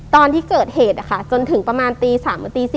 ตอนที่เกิดเหตุจนถึงประมาณ๓๔ค่ะ